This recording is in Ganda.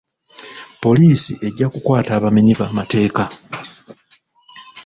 Poliisi ejja kukwata abamenyi b'amateeka.